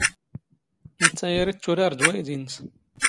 ⵏⵜⵜⴰ ⴰⵔ ⵉⵜⵜⵓⵔⴰⵔ ⴷ ⵡⴰⵢⴷⵉ ⵏⵏⵙ.